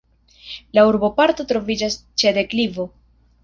La urboparto troviĝas ĉe deklivo.